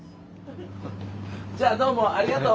じゃあどうもありがとう。